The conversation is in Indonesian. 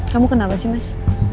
kamu kenapa sih mas